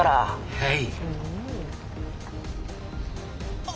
はい。